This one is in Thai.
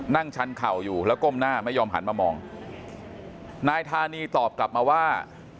ชันเข่าอยู่แล้วก้มหน้าไม่ยอมหันมามองนายธานีตอบกลับมาว่า